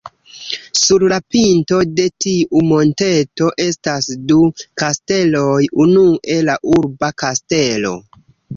Sur la pinto de tiu monteto estas du kasteloj, unue la urba kastelo.